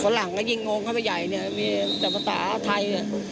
ฝรั่งก็ยิ่งงงเข้าไปใหญ่มีจังหวัดตาไทย